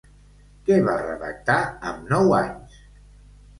Què va redactar amb nou anys?